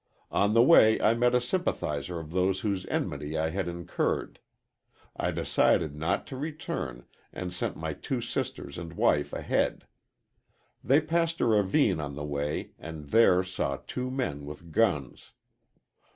On the way I met a sympathizer of those whose enmity I had incurred. I decided not to return and sent my two sisters and wife ahead. They passed a ravine on the way and there saw two men with guns.